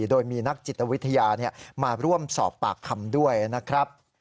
โดยมีนักจิตวิทยามาร่วมสอบปากคำด้วยนะครับ